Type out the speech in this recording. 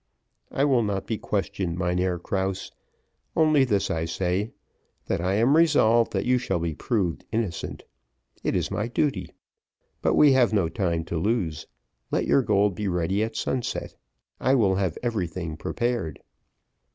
"I will not be questioned, Mynheer Krause; only this I say, that I am resolved that you shall be proved innocent. It is my duty. But we have no time to lose. Let your gold be ready at sunset: I will have everything prepared."